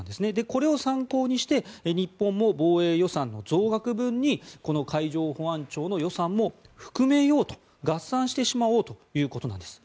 これを参考にして日本も防衛予算の増額分にこの海上保安庁の予算も含めよう、合算してしまうおうということなんです。